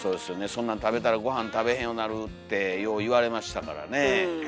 そんなん食べたらごはん食べへんようなるってよう言われましたからねえ。